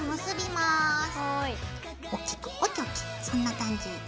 そんな感じ。